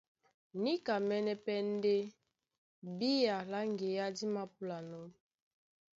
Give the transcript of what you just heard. Níkamɛ́nɛ́ pɛ́ ndé bía lá ŋgeá dí māpúlanɔ́.